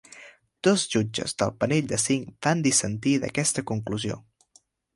Dos jutges del panell de cinc van dissentir d'aquesta conclusió.